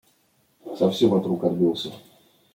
Совсем от рук отбился.